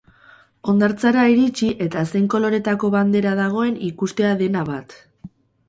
Hondartzara iritsi eta zein koloretako bandera dagoen ikustea dena bat.